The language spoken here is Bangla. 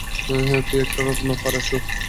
তুই একটা রত্ন, পারাসু্।